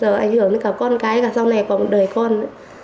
giờ ảnh hưởng đến cả con cái cả sau này cả đời con nữa